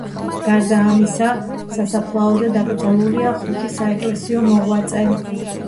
გარდა ამისა, სასაფლაოზე დაკრძალულია ხუთი საეკლესიო მოღვაწე.